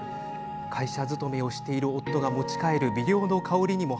会社勤めをしている夫が持ち帰る微量の香りにも